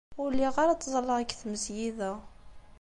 Ur lliɣ ara ttẓallaɣ deg tmesgida.